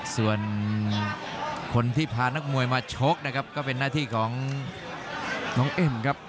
ส่วนคนที่พานักมวยมาชกนะครับก็เป็นหน้าที่ของน้องเอ็มครับ